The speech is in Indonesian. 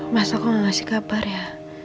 mas aku mau ngasih kabar ya